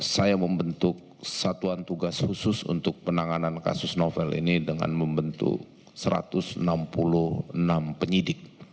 saya membentuk satuan tugas khusus untuk penanganan kasus novel ini dengan membentuk satu ratus enam puluh enam penyidik